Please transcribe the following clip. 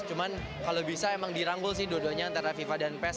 cuma kalau bisa memang diranggul sih dua duanya antara fifa dan pes